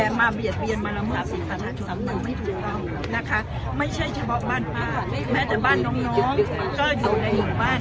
แต่มาเบียดเบียนมาลำบาปสิทธิ์ภาษาชนมันไม่ถูกต้องนะคะไม่ใช่เฉพาะบ้านพ่าแม้แต่บ้านน้องก็อยู่ในบ้าน